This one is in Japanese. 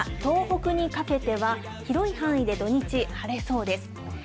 九州から東北にかけては、広い範囲で土日、晴れそうです。